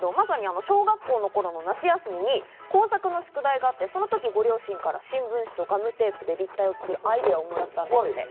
小学校の頃の夏休みに工作の宿題があって、その時ご両親から新聞紙とガムテープで立体を作るアイデアをもらったそうです。